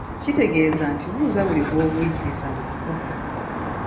Kitegeeza nti buuza buli gw’ogwikiriza mu kkubo.